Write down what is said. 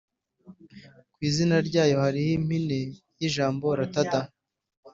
ku izina ryayo hari impine y ijambo Ltd